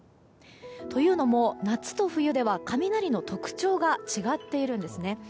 というのも夏と冬では雷の特徴が違っているんです。